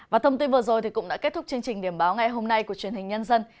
và thông tin vừa rồi cũng đã kết thúc chương trình điểm báo ngày hôm nay của truyền hình nhân dân